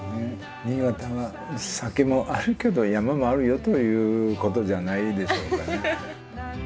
新潟は酒もあるけど山もあるよということじゃないでしょうかね。